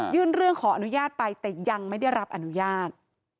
เรื่องขออนุญาตไปแต่ยังไม่ได้รับอนุญาต